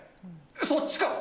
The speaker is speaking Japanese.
そっちか！